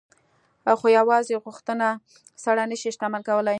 خو يوازې غوښتنه سړی نه شي شتمن کولای.